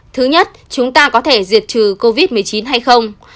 thứ nhất chúng ta có thể diệt trừ covid một mươi chín hay không